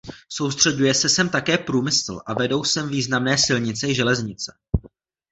Soustřeďuje se sem také průmysl a vedou sem významné silnice i železnice.